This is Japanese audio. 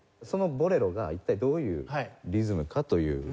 そのボレロが一体どういうリズムかという。